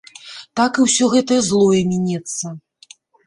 Так і ўсё гэтае злое мінецца.